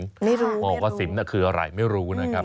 ไม่รู้ไม่รู้มองว่าสิมน่ะคืออะไรไม่รู้นะครับ